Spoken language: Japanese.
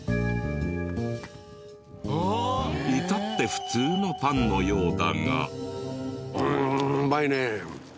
至って普通のパンのようだが。